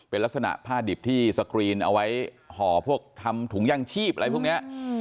เป็นลักษณะผ้าดิบที่สกรีนเอาไว้ห่อพวกทำถุงยางชีพอะไรพวกนี้